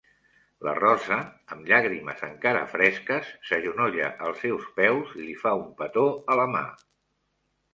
La Rosa, amb llàgrimes encara fresques, s'agenolla als seus peus i li fa un petó a la mà.